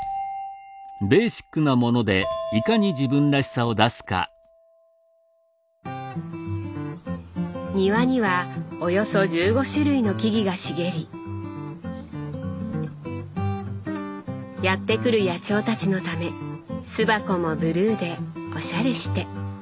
庭にはおよそ１５種類の木々が茂りやって来る野鳥たちのため巣箱もブルーでおしゃれして。